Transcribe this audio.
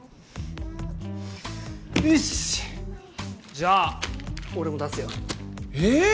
じゃあ俺も出すよ。ええ！？